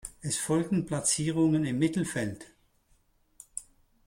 Es folgten Platzierungen im Mittelfeld.